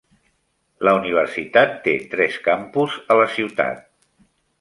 La universitat té tres campus a la ciutat.